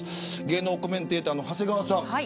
芸能コメンテーターの長谷川さん